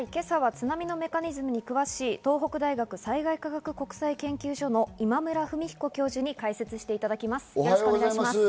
今朝は津波のメカニズムに詳しい東北大学災害科学国際研究所の今村文彦教授に解説していただきます。